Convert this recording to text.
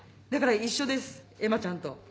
だから一緒です恵麻ちゃんと。